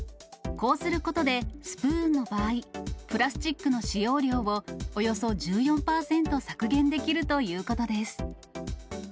こうすることで、スプーンの場合、プラスチックの使用量を、およそ１４％削減できるということです。